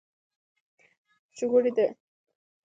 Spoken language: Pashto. چرګوړي له هغې چاپېر وو او تقلید یې کاوه.